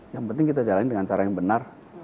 yang penting kita jalani dengan cara yang benar